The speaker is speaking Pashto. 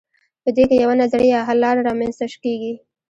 په دې کې یوه نظریه یا حل لاره رامیینځته کیږي.